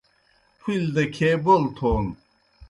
پُھلیْ دہ کھیے بول تھون